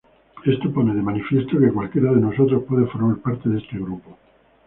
Esto pone de manifiesto que cualquiera de nosotros puede formar parte de este grupo.